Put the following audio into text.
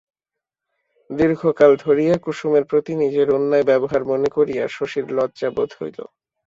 দীর্ঘকাল ধরিয়া কুসুমের প্রতি নিজের অন্যায় ব্যবহার মনে করিয়া শশীর লজ্জা বোধ হইল।